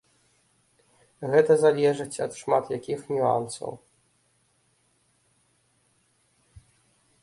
Гэта залежыць ад шмат якіх нюансаў.